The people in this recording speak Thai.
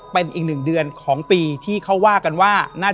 และยินดีต้อนรับทุกท่านเข้าสู่เดือนพฤษภาคมครับ